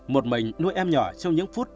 một mình nuôi em nhỏ trong những phút